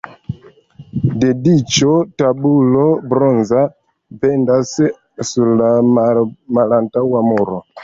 Dediĉo tabulo bronza pendas sur la malantaŭa muro.